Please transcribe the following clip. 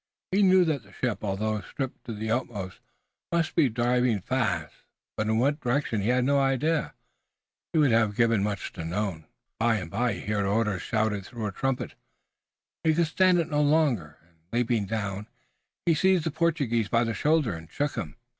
He knew that the ship although stripped to the utmost, must be driving fast, but in what direction he had no idea. He would have given much to know. The tumult grew and by and by he heard orders shouted through a trumpet. He could stand it no longer, and, leaping down, he seized the Portuguese by the shoulder and shook him.